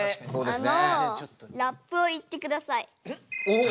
あのラップを言ってください。